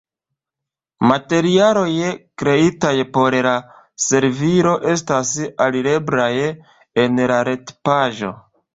Materialoj kreitaj por la servilo estas alireblaj en la retpaĝo.